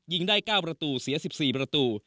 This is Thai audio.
ยิงได้๙ประตูเสีย๑๔ประตู